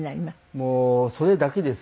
もうそれだけです。